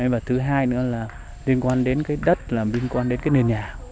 và thứ hai nữa là liên quan đến cái đất là liên quan đến cái nền nhà